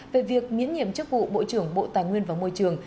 về việc miễn nhiệm chức vụ bộ trưởng bộ tài nguyên và môi trường